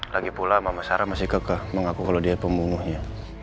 lagipula mama sarah masih kekeh mengaku kalau dia pembunuhnya